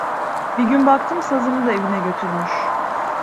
Bir gün baktım, sazını da evine götürmüş…